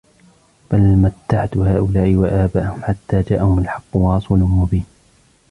بَلْ مَتَّعْتُ هَؤُلَاءِ وَآبَاءَهُمْ حَتَّى جَاءَهُمُ الْحَقُّ وَرَسُولٌ مُبِينٌ